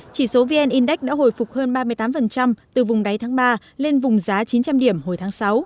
chỉ số vn index đã hồi phục hơn ba mươi tám từ vùng đáy tháng ba lên vùng giá chín trăm linh điểm hồi tháng sáu